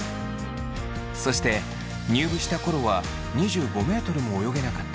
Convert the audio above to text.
そして入部した頃は２５ｍも泳げなかった土屋さん。